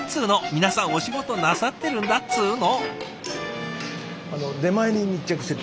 皆さんお仕事なさってるんだっつの。